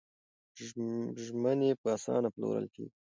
ژمنې په اسانه پلورل کېږي.